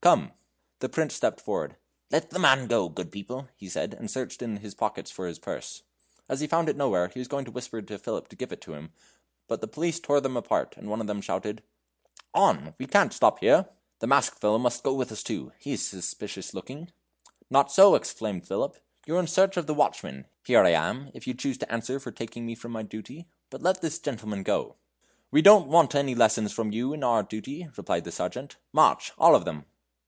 Come." The Prince stepped forward. "Let the man go, good people," he said, and searched in all his pockets for his purse. As he found it nowhere, he was going to whisper to Philip to give it him, but the police tore them apart, and one of them shouted: "On! We can't stop to talk here." "The masked fellow must go with us too; he is suspicious looking." "Not so," exclaimed Philip; "you are in search of the watchman. Here I am, if you choose to answer for taking me from my duty. But let this gentleman go." "We don't want any lessons from you in our duty," replied the sergeant; "march! all of them!"